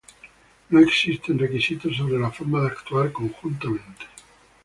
No existen requisitos sobre la forma de actuar conjuntamente.